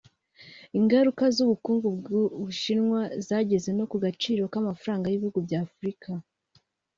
Ingaruka z’ubukungu bw’u Bushinwa zageze no ku gaciro k’amafaranga y’ibihugu bya Afurika